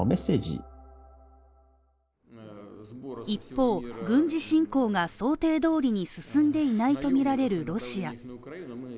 一方、軍事侵攻が想定どおりに進んでいないとみられるロシア。